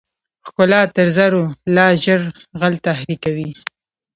ښکلا تر زرو لا ژر غل تحریکوي.